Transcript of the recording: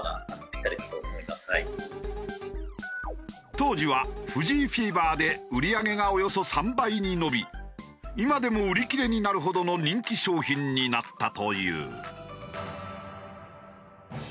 当時は藤井フィーバーで売り上げがおよそ３倍に伸び今でも売り切れになるほどの人気商品になったという。